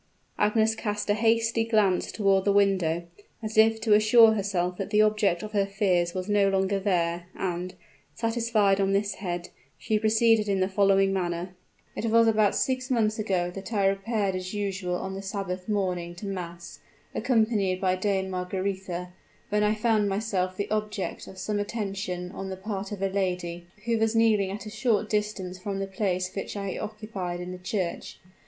Agnes cast a hasty glance toward the window, as if to assure herself that the object of her fears was no longer there; and, satisfied on this head, she proceeded in the following manner: "It was about six months ago that I repaired as usual on the Sabbath morning to mass, accompanied by Dame Margaretha, when I found myself the object of some attention on the part of a lady, who was kneeling at a short distance from the place which I occupied in the church.